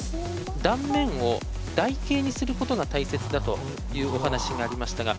断面を台形にすることが大切だというお話がありましたが。